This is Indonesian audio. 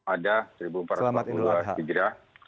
ada seribu empat ratus empat puluh dua hijrah